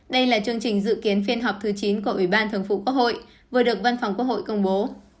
đây là chương trình dự kiến phiên họp thứ chín của ủy ban thường phủ quốc hội vừa được văn phòng quốc hội công bố